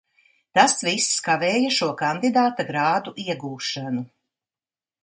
Tas viss kavēja šo kandidāta grādu iegūšanu.